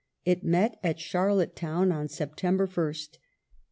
It met at Charlottetown on September 1st.